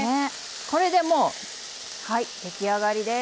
これでもう出来上がりです。